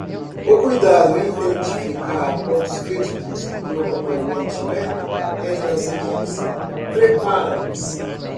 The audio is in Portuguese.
O cuidado em identificar pontos críticos no comprometimento entre as equipes prepara-nos